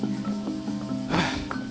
はあ。